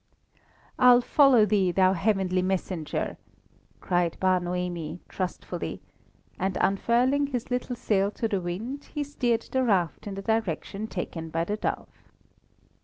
"I'll follow thee, thou heavenly messenger!" cried Bar Noemi, trustfully; and unfurling his little sail to the wind, he steered the raft in the direction taken by the dove.